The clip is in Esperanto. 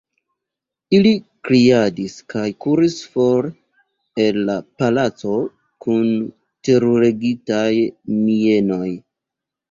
Ili kriadis kaj kuris for el la palaco kun teruregitaj mienoj!